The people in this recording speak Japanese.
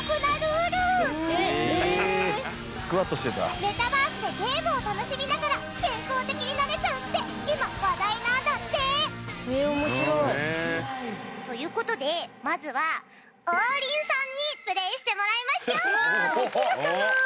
メタバースでゲームを楽しみながら健康的になれちゃうって今話題なんだって。という事でまずは王林さんにプレイしてもらいましょう。